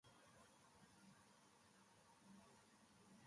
Orriak begiztatzeari jarraiki zitzaion, bere ametsean bildua.